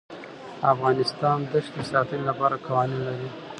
افغانستان د ښتې د ساتنې لپاره قوانین لري.